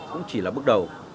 cũng chỉ là bước đầu